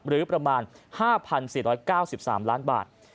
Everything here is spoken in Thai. หรือประมาณ๕๔๙๓ล้านบาท